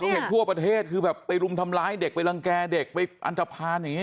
เห็นทั่วประเทศคือแบบไปรุมทำร้ายเด็กไปรังแก่เด็กไปอันตภัณฑ์อย่างนี้